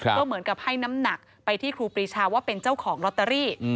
ก็เหมือนกับให้น้ำหนักไปที่ครูปรีชาว่าเป็นเจ้าของลอตเตอรี่